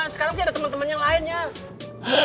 sekarang sih ada temen temen yang lain nyah